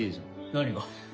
何が？